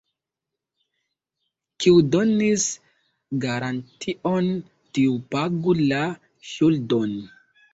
Kiu donis garantion, tiu pagu la ŝuldon.